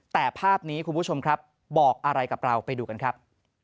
แต่ภาพนี้คุณผู้ชมครับบอกอะไรกับเราไปดูกันครับ